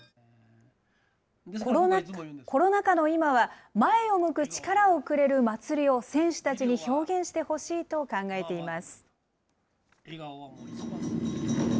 コロナ禍の今は、前を向く力をくれる祭りを、選手たちに表現してほしいと考えています。